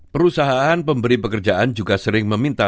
perusahaan pemberi pekerjaan juga sering meminta